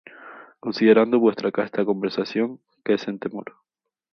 Considerando vuestra casta conversación, que es en temor.